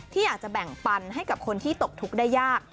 ที่อยากจะแบ่งปันให้กับคนที่ตกทุกข์ได้ยาก